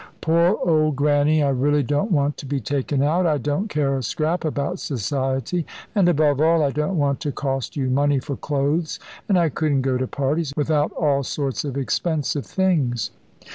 "Poor dear Grannie, I really don't want to be taken out. I don't care a scrap about Society and, above all, I don't want to cost you money for clothes, and I couldn't go to parties without all sorts of expensive things."